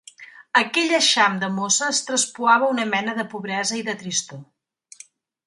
Aquell eixam de mosses traspuava una mena de pobresa i de tristor.